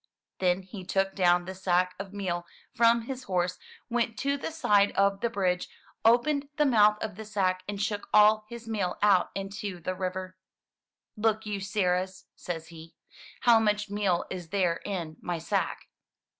Then he took down the sack of meal from his horse, went to the side of the bridge, opened the mouth of the sack, and shook all his meal out into the river. "Look you, sirrahs," says he. "How much meal is there in my sack?"